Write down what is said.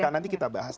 nanti kita bahas